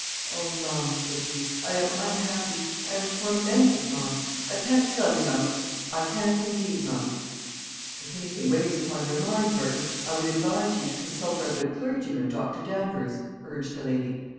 "Oh, ma'am," said he, "I am unhappy; I am tormented, ma'am. I can't tell you, ma'am; I can't indeed ma'am!" "If anything weighs upon your mind, Merton, I would advise you to consult our good clergyman, Dr. Danvers," urged the lady.